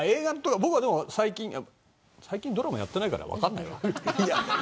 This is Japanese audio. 僕は最近ドラマやってないから分かんないわ。